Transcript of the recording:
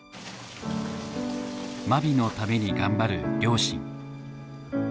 真備のために頑張る両親。